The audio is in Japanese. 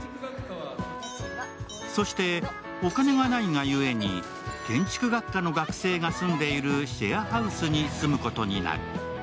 そしてお金がないがゆえに建築学科の学生が住んでいるシェアハウスに住むことになる。